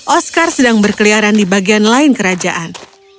oscar sedang berkeliaran di bagian lain kerajaan